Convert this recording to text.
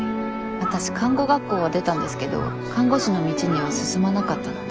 私看護学校は出たんですけど看護師の道には進まなかったので。